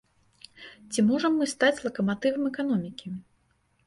Ці можам мы стаць лакаматывам эканомікі?